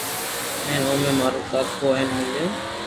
ھين اومي مارو ڪاڪو ھين ملين